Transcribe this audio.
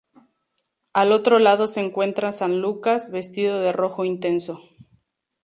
Al otro lado se encuentra San Lucas, vestido de rojo intenso.